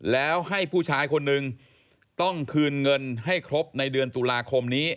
แล้วให้ผู้ชายคนนึงต้องคืนเงินให้ครบในเดือนตุลาคมนี้